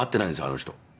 あの人